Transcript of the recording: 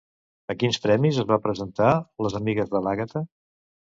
A quins premis es va presentar Les amigues de l'Àgata?